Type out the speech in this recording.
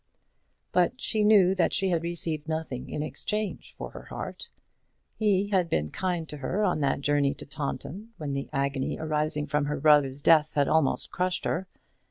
But she knew that she had received nothing in exchange for her heart. He had been kind to her on that journey to Taunton, when the agony arising from her brother's death had almost crushed her.